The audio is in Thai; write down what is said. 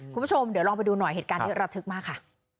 คุณผู้ชมเดี๋ยวลองไปดูหน่อยเหตุการณ์นี้ระทึกมากค่ะ